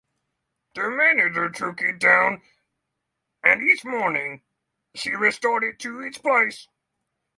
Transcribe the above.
The manager took it down and each morning she restored it to its place.